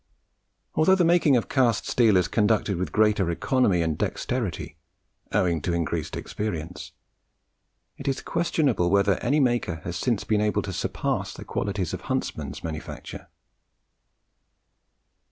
Although the making of cast steel is conducted with greater economy and dexterity, owing to increased experience, it is questionable whether any maker has since been able to surpass the quality of Huntsman's manufacture.